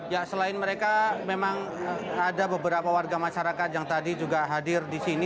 ya selain mereka memang ada beberapa warga masyarakat yang tadi juga hadir di sini